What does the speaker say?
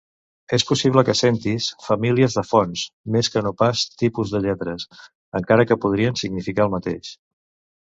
És possible que sentis "famílies de fonts" més que no pas "tipus de lletres", encara que podrien significar el mateix.